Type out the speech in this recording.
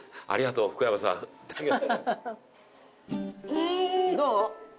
うん！どう？